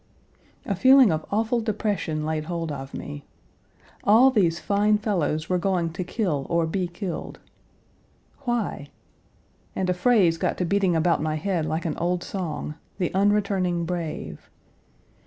A feeling of awful depression laid hold of me. All these fine fellows were going to kill or be killed. Why? And a phrase got to beating about my head like an old song, "The Unreturning Brave."